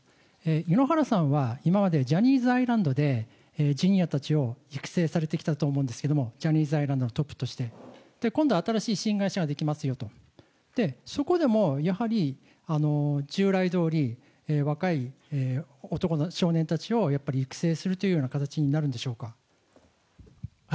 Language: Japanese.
井ノ原さんは今まで、ジャニーズアイランドで、ジュニアたちを育成されてきたと思うんですけれども、ジャニーズアイランドのトップとして。今度、新しい新会社が出来ますよと、で、そこでも、やはり従来どおり、若い男の子、少年たちをやっぱり育成するというような形になるんでしょうか。